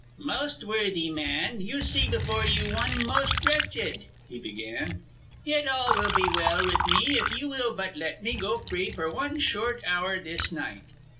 "Most worthy man, you see before you one most wretched," he began. "Yet all will be well with me if you will but let me go free for one short hour this night.